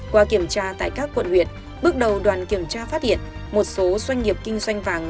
qua kiểm tra tại các quận huyện bước đầu đoàn kiểm tra phát hiện một số doanh nghiệp kinh doanh vàng